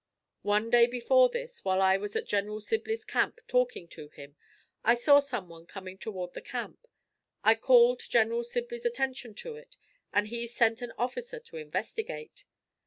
One day, before this, while I was at General Sibley's camp talking to him, I saw someone coming toward the camp. I called General Sibley's attention to it and he sent an officer to investigate.